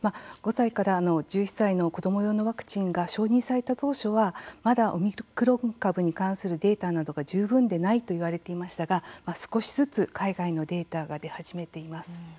５歳から１１歳の子ども用のワクチンが承認された当初はまだオミクロン株に関するデータなどが十分でないと言われていましたが少しずつ海外のデータが出始めています。